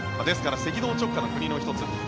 ですから赤道直下の国の１つ。